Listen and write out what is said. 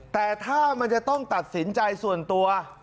แต่ถ้ามันจะต้องตัดสินใจส่วนตัว